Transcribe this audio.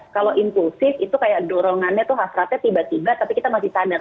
kalau inklusif itu kayak dorongannya tuh hasratnya tiba tiba tapi kita masih sadar